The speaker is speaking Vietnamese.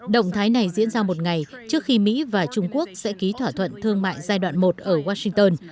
động thái này diễn ra một ngày trước khi mỹ và trung quốc sẽ ký thỏa thuận thương mại giai đoạn một ở washington